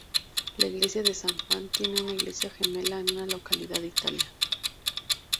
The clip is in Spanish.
La iglesia de San Juan tiene una iglesia gemela en una localidad de Italia.